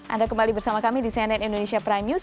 anda kembali bersama kami di cnn indonesia prime news